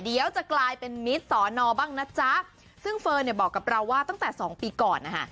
เดี๋ยวจะกลายเป็นมิตรสอนอบ้างนะจ๊ะซึ่งเฟิร์นเนี่ยบอกกับเราว่าตั้งแต่สองปีก่อนนะคะ